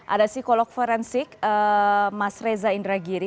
ada psikolog forensik mas reza indragiri